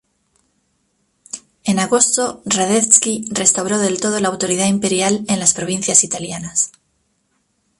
En agosto, Radetzky restauró del todo la autoridad imperial en las provincias italianas.